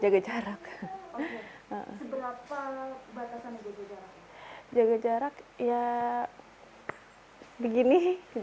jaga jarak ya begini